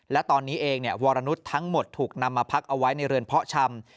และตอนนี้เองวรนุษย์ทั้งหมดถูกนำมาพักเอาไว้ในเรือนเพาะชำ